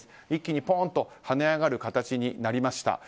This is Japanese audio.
一気にポーンと跳ね上がる形になりました。